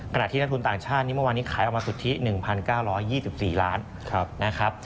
ขณะที่นักทุนต่างชาตินี้เมื่อวานนี้ขายออกมาสุทธิ๑๙๒๔ล้านนะครับ